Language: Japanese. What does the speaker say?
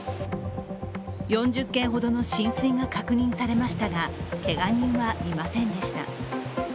４０軒ほどの浸水が確認されましたが、けが人はいませんでした。